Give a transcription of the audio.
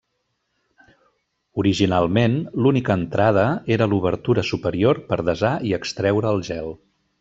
Originalment, l'única entrada era l'obertura superior per desar i extreure el gel.